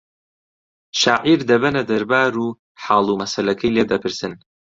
شاعیر دەبەنە دەربار و حاڵ و مەسەلەکەی لێ دەپرسن